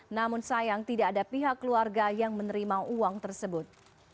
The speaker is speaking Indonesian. namun sayang tidak ada pihak keluarga yang menerima uang tersebut